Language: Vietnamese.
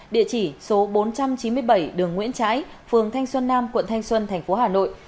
địa chỉ số bốn trăm chín mươi bảy đường nguyễn trãi phường thanh xuân nam quận thanh xuân thành phố hà nội